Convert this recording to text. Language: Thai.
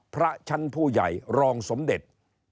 พระชั้นผู้ใหญ่รองสมเด็จ